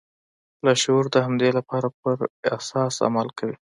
لاشعور د همدې باور پر اساس عمل کوي